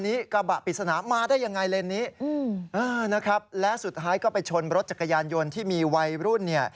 เดินทางพุ่งไป